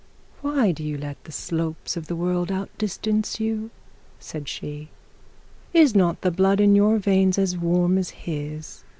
'Why do you let the Slopes of the world out distance you?' said she. 'It not the blood in your veins as warm as his?